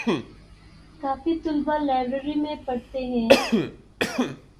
کافی طلبہ لائبریری میں پڑھتے ہیں